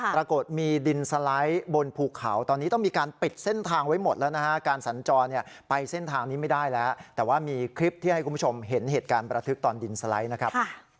ปรากฏมีดินสไลด์บนภูเขาตอนนี้ต้องมีการปิดเส้นทางไว้หมดแล้วนะฮะการสัญจรเนี่ยไปเส้นทางนี้ไม่ได้แล้วแต่ว่ามีคลิปที่ให้คุณผู้ชมเห็นเหตุการณ์ประทึกตอนดินสไลด์นะครับ